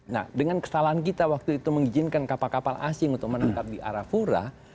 nah dengan kesalahan kita waktu itu mengizinkan kapal kapal asing untuk menangkap di arafura